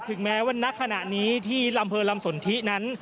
ถึงแม้ว่าณขณะนี้ที่อำเภอลำสนทินั้น